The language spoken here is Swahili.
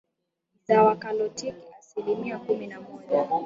ni Wakatoliki asilimia kumi na moja Waprotestanti Nchi nyingine Ni